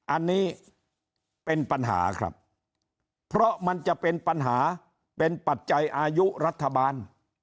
อันนี้เป็นปัญหาครับเพราะมันจะเป็นปัญหาเป็นปัจจัยอายุรัฐบาล